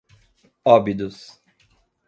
Óbidos